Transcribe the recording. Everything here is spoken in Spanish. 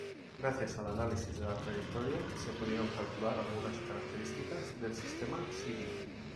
Gracias al análisis de la trayectoria se pudieron calcular algunas características del sistema Sirio.